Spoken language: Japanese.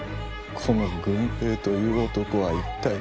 この「郡平」という男は一体。